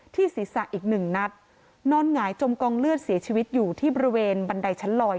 ศีรษะอีกหนึ่งนัดนอนหงายจมกองเลือดเสียชีวิตอยู่ที่บริเวณบันไดชั้นลอย